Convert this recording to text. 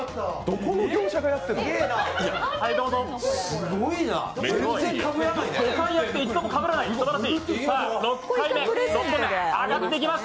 どこの業者がやってるの？